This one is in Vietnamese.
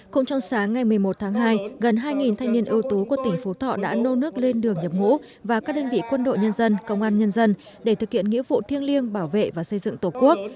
cũng trong sáng ngày một mươi một tháng hai gần hai thanh niên ưu tú của tỉnh phú thọ đã nô nước lên đường nhập ngũ và các đơn vị quân đội nhân dân công an nhân dân để thực hiện nghĩa vụ thiêng liêng bảo vệ và xây dựng tổ quốc